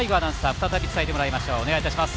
再び、伝えてもらいましょう。